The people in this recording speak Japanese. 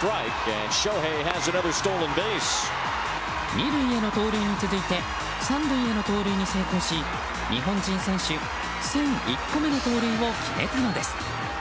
２塁への盗塁に続いて３塁への盗塁に成功し日本人選手１００１個目の盗塁を決めたのです。